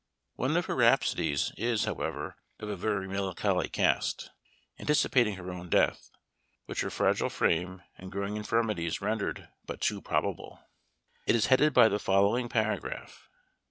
One of her rhapsodies is, however, of a very melancholy cast; anticipating her own death, which her fragile frame and growing infirmities rendered but too probable. It is headed by the following paragraph.